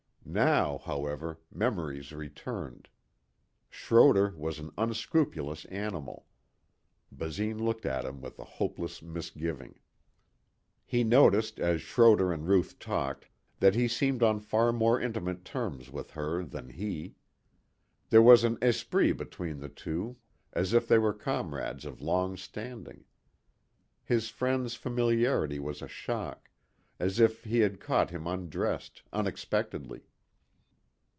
Now, however, memories returned. Schroder was an unscrupulous animal. Basine looked at him with a hopeless misgiving. He noticed as Schroder and Ruth talked that he seemed on far more intimate terms with her than he. There was an esprit between the two as if they were comrades of long standing. His friend's familiarity was a shock as if he had caught him undressed, unexpectedly.